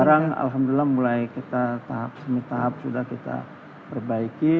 sekarang alhamdulillah mulai kita tahap semi tahap sudah kita perbaiki